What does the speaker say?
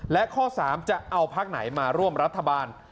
และข้อ๓จะเอาพักไหนมาร่วมรัฐบาล